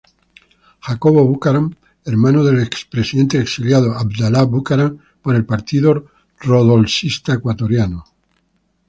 Jacobo Bucaram, hermano del expresidente exiliado Abdalá Bucaram, por el Partido Roldosista Ecuatoriano.